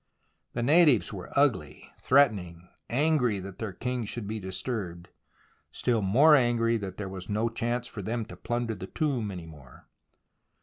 The natives were ugly, threatening, angry that their kings should be disturbed — still more angry that there was no chance for them to plunder the THE ROMANCE OF EXCAVATION 85 tomb any more.